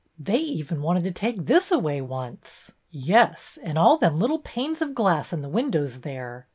" They even wanted to take this away once. Yes, and all them little panes of glass in the windows there